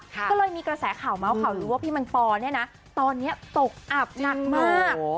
ก็เลยมีกระแสข่าวเมาส์ข่าวรู้ว่าพี่มันปอเนี่ยนะตอนนี้ตกอับหนักมาก